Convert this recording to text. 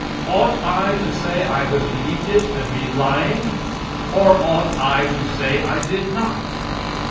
Ought I to say I believed it, and be lying, or ought I to say I did not?